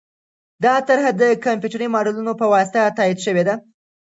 دا طرحه د کمپیوټري ماډلونو په واسطه تایید شوې ده.